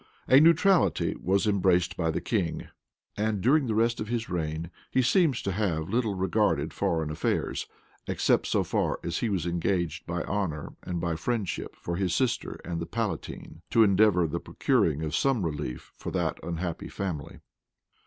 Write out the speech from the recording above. A neutrality was embraced by the king; and during the rest of his reign, he seems to have little regarded foreign affairs, except so far as he was engaged by honor and by friendship for his sister and the palatine, to endeavor the procuring of some relief for that unhappy family.